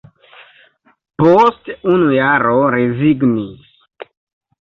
Post unu jaro rezignis.